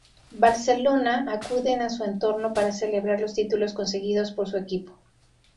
Barcelona acuden a su entorno para celebrar los títulos conseguidos por su equipo.